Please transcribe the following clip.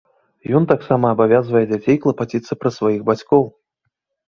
Ён таксама абавязвае дзяцей клапаціцца пра сваіх бацькоў.